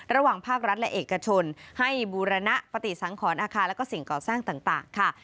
ระหว่างภาครัฐและเอกชนให้บูรณปฏิสังขรและสิ่งก่อแส้งต่างค่ะ